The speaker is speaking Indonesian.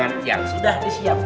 jadi yang ambil siapa